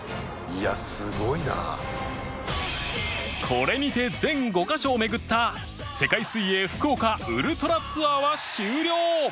これにて全５カ所を巡った世界水泳福岡ウルトラツアーは終了！